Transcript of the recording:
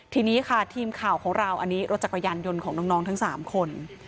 ทีนี้ค่ะทีมข่าวของเราอันนี้รถจักรยานยนต์ของน้องทั้ง๓คน